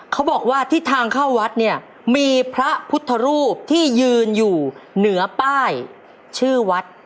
เขาบอกว่าที่ทางเข้าวัดเนี่ยมีพระพุทธรูปที่ยืนอยู่เหนือป้ายชื่อวัด